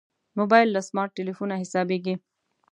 موبایل له سمارټ تلېفونه حسابېږي.